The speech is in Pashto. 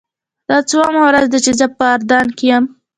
دا څوومه ورځ ده چې زه په اردن کې یم.